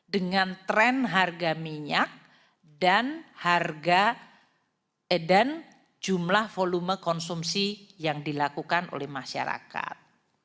dengan tren harga minyak dan harga dan jumlah volume konsumsi yang dilakukan oleh masyarakat